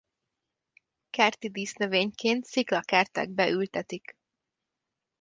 Kerti dísznövényként sziklakertekbe ültetik.